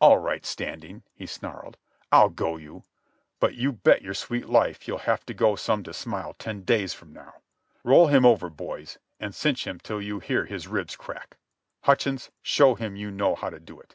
"All right, Standing," he snarled. "I'll go you. But you bet your sweet life you'll have to go some to smile ten days from now. Roll him over, boys, and cinch him till you hear his ribs crack. Hutchins, show him you know how to do it."